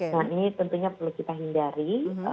nah ini tentunya perlu kita hindari